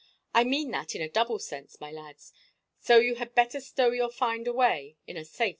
I mean that in a double sense, my lads; so you had better stow your find away in a safe place."